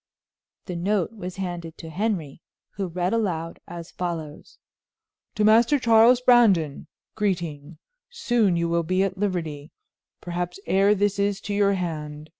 The note was handed to Henry, who read aloud as follows: "To Master Charles Brandon": "Greeting Soon you will be at liberty; perhaps ere this is to your hand.